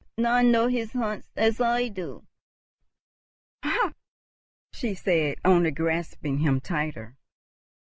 None know his haunts as I do!" "Hark!" she said, only grasping him tighter.